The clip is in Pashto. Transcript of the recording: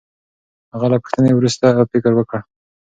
هغه له پوښتنې وروسته فکر وکړ.